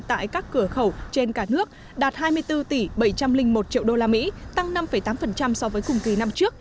tại các cửa khẩu trên cả nước đạt hai mươi bốn tỷ bảy trăm linh một triệu đô la mỹ tăng năm tám so với cùng kỳ năm trước